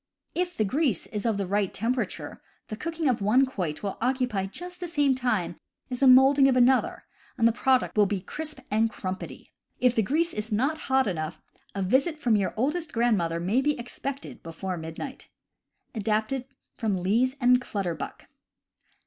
If the grease is of the right tem perature, the cooking of one quoit will occupy just the same time as the molding of another, and the product will be crisp and crumpety. If the grease is not hot enough, a visit from your oldest grandmother may be expected before midnight. (Adapted from Lees and Clutterhuck.)